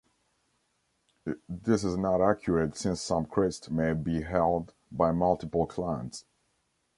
This is not accurate since some crests may be held by multiple clans.